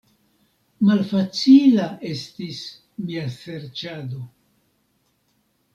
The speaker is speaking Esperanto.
Malfacila estis mia serĉado.